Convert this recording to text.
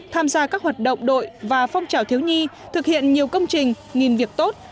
tham gia các hoạt động đội và phong trào thiếu nhi thực hiện nhiều công trình nghìn việc tốt